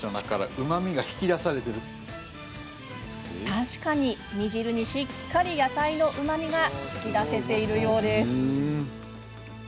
確かに、煮汁にしっかり野菜のうまみが引き出せているようです。